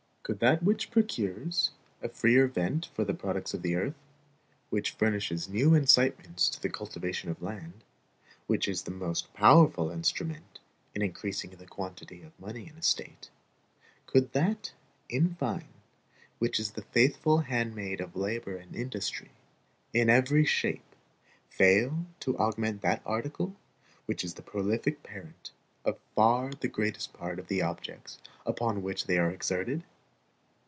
Could that which procures a freer vent for the products of the earth, which furnishes new incitements to the cultivation of land, which is the most powerful instrument in increasing the quantity of money in a state could that, in fine, which is the faithful handmaid of labor and industry, in every shape, fail to augment that article, which is the prolific parent of far the greatest part of the objects upon which they are exerted?